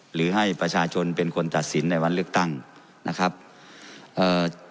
หรือให้ประชาชนเป็นคนตัดสินในวันเลือกตั้งนะครับเอ่อ